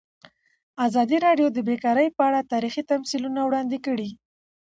ازادي راډیو د بیکاري په اړه تاریخي تمثیلونه وړاندې کړي.